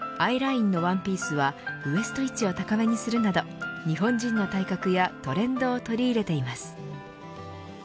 Ｉラインのワンピースはウエスト位置を高めにするなど日本人の体格やトレンドを取り入れています。